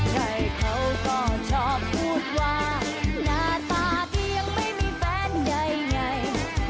ใครเขาก็ชอบพูดว่าหน้าตาพี่ยังไม่มีแฟนใดไง